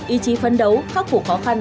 ý chí phân đấu khắc phủ khó khăn